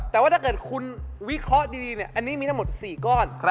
แต่ว่าถ้าเกิดคุณวิเคราะห์ดีอันนี้มีทั้งหมด๔ก้อน